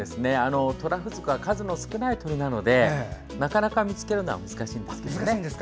トラフズクは数の少ない鳥なのでなかなか見つけるのは難しいんですね。